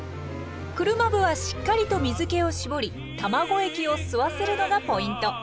車麩はしっかりと水けを絞り卵液を吸わせるのがポイント。